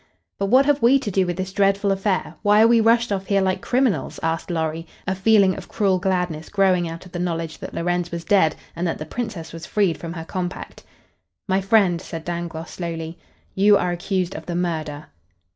"But what have we to do with this dreadful affair? Why are we rushed off here like criminals?" asked Lorry, a feeling of cruel gladness growing out of the knowledge that Lorenz was dead and that the Princess was freed from her compact. "My friend," said Dangloss, slowly, "you are accused of the murder."